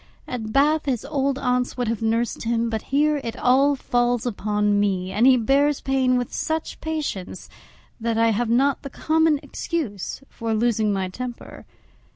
At Bath his old aunts would have nursed him, but here it all falls upon me; and he bears pain with such patience that I have not the common excuse for losing my temper.